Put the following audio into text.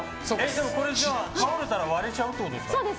これ、倒れたら割れちゃうってことですか。